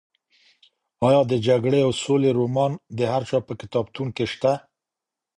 ایا د جګړې او سولې رومان د هر چا په کتابتون کې شته؟